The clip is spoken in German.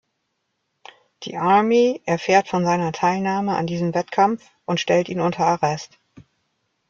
Die Army erfährt von seiner Teilnahme an diesem Wettkampf und stellt ihn unter Arrest.